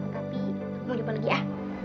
tapi mau jumpa lagi ya